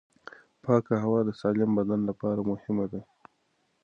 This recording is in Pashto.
پاکه هوا د سالم بدن لپاره مهمه ده.